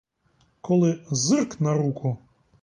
Коли зирк на руку!